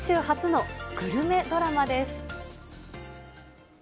初のグルメドラマです。